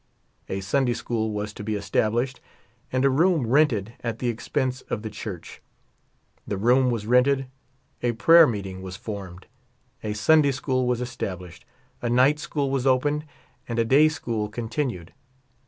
A Sunday school was to be established and a room rented at the expense of the church. The room was rented ; a pra3^er meeting was formed ; a Sunday school was established ; anight school was opened, and a day school continued.